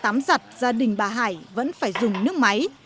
ngoại sinh hoạt như tắm giặt gia đình bà hải vẫn phải dùng nước máy